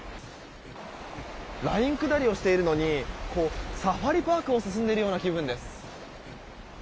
ライン下りをしているのにサファリパークを進んでいるような気分です。